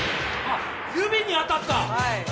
指に当たった？